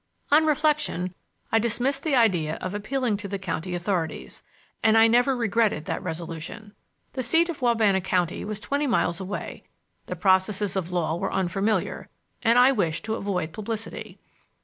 On reflection I dismissed the idea of appealing to the county authorities, and I never regretted that resolution. The seat of Wabana County was twenty miles away, the processes of law were unfamiliar, and I wished to avoid publicity.